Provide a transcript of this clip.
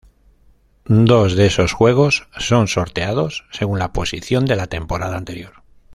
Dos de esos juegos son sorteados según la posición de la temporada anterior.